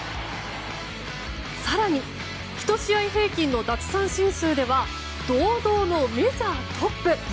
更に１試合平均の奪三振数では堂々のメジャートップ。